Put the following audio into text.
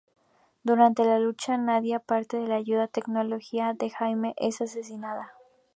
Durante la lucha, Nadia, parte de la ayuda de tecnología de Jaime, es asesinada.